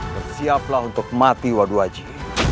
bersiaplah untuk mati waduh aji